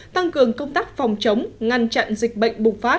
tăng cường công tác phòng chống ngăn chặn dịch bệnh bùng phát